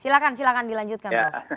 silakan silakan dilanjutkan